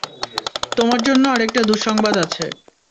তোমার জন্য আরেকটা দুঃসংবাদ আছে।